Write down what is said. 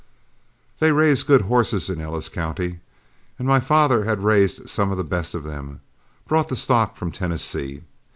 "They raise good horses in Ellis County, and my father had raised some of the best of them brought the stock from Tennessee.